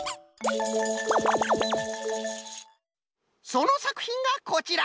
そのさくひんがこちら！